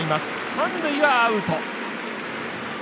三塁はアウト。